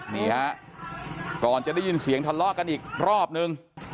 นี่ฮะก่อนจะได้ยินเสียงทะเลาะกันอีกรอบนึง